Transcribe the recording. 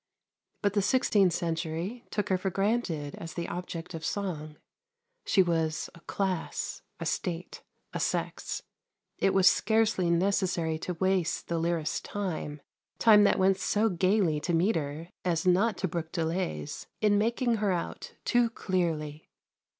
But the sixteenth century took her for granted as the object of song; she was a class, a state, a sex. It was scarcely necessary to waste the lyrist's time time that went so gaily to metre as not to brook delays in making her out too clearly.